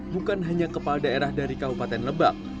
bukan hanya kepala daerah dari kabupaten lebak